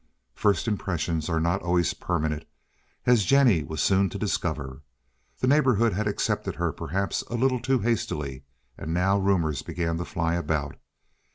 First impressions are not always permanent, as Jennie was soon to discover. The neighborhood had accepted her perhaps a little too hastily, and now rumors began to fly about.